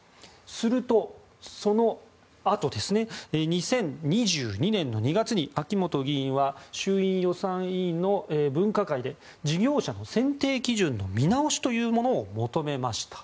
すると、そのあと２０２２年２月に秋本議員は衆院予算委員の分科会で事業者の選定基準の見直しというものを求めました。